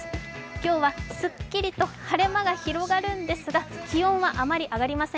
今日はすっきりと晴れ間が広がるんですが、気温はあまり上がりません。